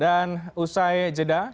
dan usai jeda